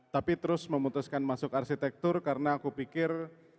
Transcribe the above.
tapi terus memutuskan masuk arsitektur karena aku pikir